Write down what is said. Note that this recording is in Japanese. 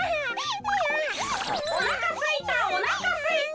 「おなかすいたおなかすいた！」。